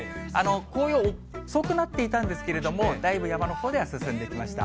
紅葉、遅くなっていたんですけれども、だいぶ山のほうでは進んできました。